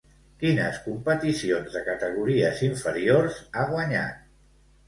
Quines competicions de categories inferiors ha guanyat?